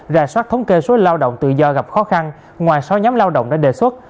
ra soát thống kê số lao động tự do gặp khó khăn ngoài sáu nhóm lao động đã đề xuất